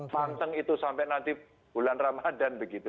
panteng itu sampai nanti bulan ramadhan begitu